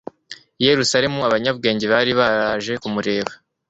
I Yerusalemu, abanyabwenge bari baraje kumureba.